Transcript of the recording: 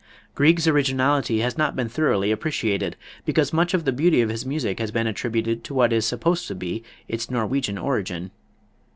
Grieg's originality has not been thoroughly appreciated, because much of the beauty of his music has been attributed to what is supposed to be its Norwegian origin.